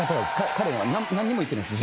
「彼にはなんにも言ってないです